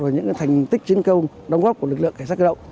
vào những thành tích chiến công đóng góp của lực lượng cảnh sát cơ động